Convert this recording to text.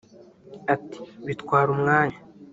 Ati “Bitwara umwanya